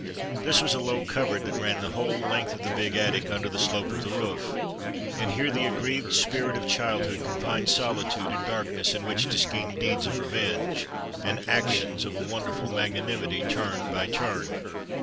This was a low cupboard that ran the whole length of the big attic under the slope of the roof, and here the aggrieved spirit of childhood could find solitude and darkness in which to scheme deeds of revenge and actions of a wonderful magna nimity turn by turn.